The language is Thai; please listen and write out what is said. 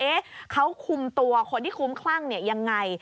เขาคุมตัวคนที่คุ้มคลั่งเนี่ยยังไง